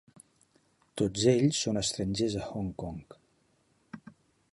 Tots ells són estrangers a Hong Kong.